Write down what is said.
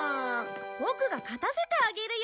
ボクが勝たせてあげるよ。